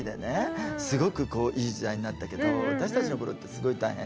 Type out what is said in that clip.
すごくこういい時代になったけど私たちの頃ってすごい大変で。